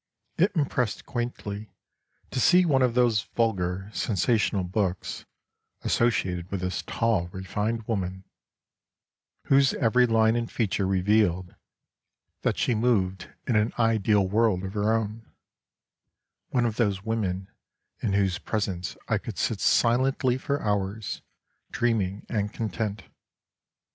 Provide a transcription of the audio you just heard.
It impressed quaintly to see one of those vulgar, sensa sational books associated with this tall refined woman, whose every line and feature revealed that she moved in an 23 ideal world of her own, one of those women in whose pres ence I could sit silently for hours, dreaming and content.